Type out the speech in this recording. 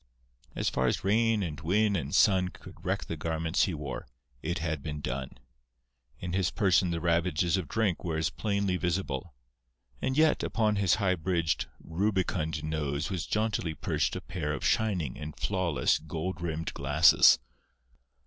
As far as rain and wind and sun could wreck the garments he wore, it had been done. In his person the ravages of drink were as plainly visible. And yet, upon his high bridged, rubicund nose was jauntily perched a pair of shining and flawless gold rimmed glasses.